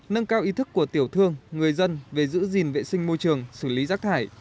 nâng cao ý thức của tiểu thương người dân về giữ gìn vệ sinh môi trường xử lý rác thải